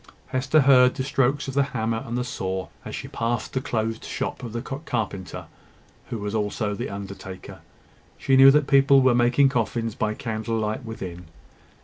Hester heard the strokes of the hammer and the saw as she passed the closed shop of the carpenter, who was also the undertaker. She knew that people were making coffins by candlelight within.